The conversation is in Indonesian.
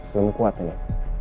belum kuat ini